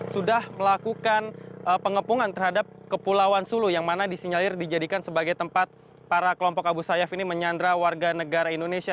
sudah melakukan pengepungan terhadap kepulauan sulu yang mana disinyalir dijadikan sebagai tempat para kelompok abu sayyaf ini menyandra warga negara indonesia